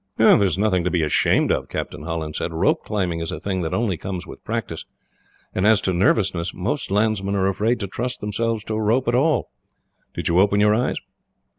"There is nothing to be ashamed of," Captain Holland said. "Rope climbing is a thing that only comes with practice; and as to nervousness, most landsmen are afraid to trust themselves to a rope at all. Did you open your eyes?"